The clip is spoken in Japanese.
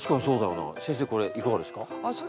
先生これいかがですか？